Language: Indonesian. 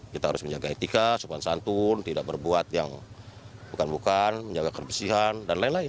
kita harus menjaga etika sopan santun tidak berbuat yang bukan bukan menjaga kebersihan dan lain lain